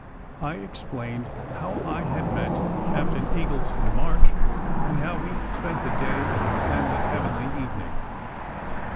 I explained how I had met Captain Eagleston March, and how we had spent the day and the heavenly evening.